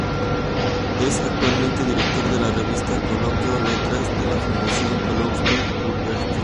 Es actualmente director de la "Revista Colóquio-Letras" de la Fundación Calouste Gulbenkian.